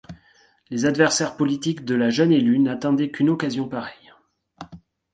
Les adversaires politiques de la jeune élue n'attendaient qu'une occasion pareille.